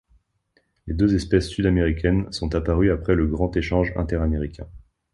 Les deux espèces sud-américaines sont apparues après le Grand échange interaméricain.